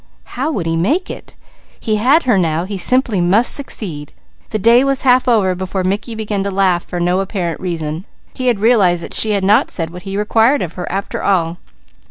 How would he make it? He had her now, he simply must succeed. The day was half over before Mickey began to laugh for no apparent reason. He had realized that she had not said what he had required of her, after all.